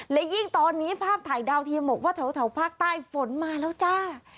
และยิ่งตอนนี้ภาพถ่ายดาวเทียมบอกว่าแถวภาคใต้ฝนมาแล้วจ้า